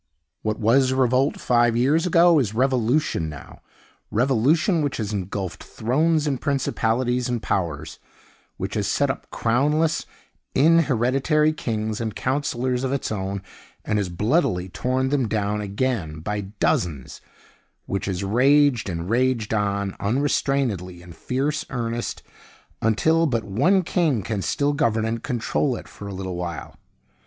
What was revolt five years ago is Revolution now revolution which has ingulfed thrones, and principalities, and powers; which has set up crownless, inhereditary kings and counselors of its own, and has bloodily torn them down again by dozens; which has raged and raged on unrestrainedly in fierce earnest, until but one king can still govern and control it for a little while.